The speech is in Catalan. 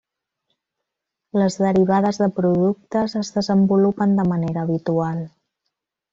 Les derivades de productes es desenvolupen de manera habitual.